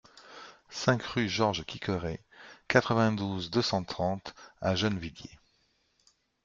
cinq rue Georges Quiqueré, quatre-vingt-douze, deux cent trente à Gennevilliers